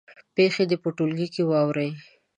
پېښې دې په ټولګي کې واوروي.